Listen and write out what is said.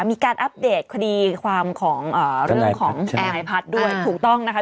มีการอัพเดทคดีความของเอ่อเรื่องของแทนายพัดด้วยถูกต้องนะคะ